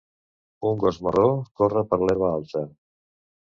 un gos marró corre per l'herba alta.